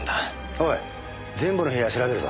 おい全部の部屋調べるぞ。